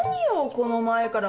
この前から。